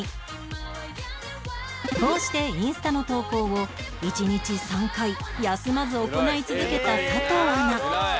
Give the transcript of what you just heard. こうしてインスタの投稿を１日３回休まず行い続けた佐藤アナ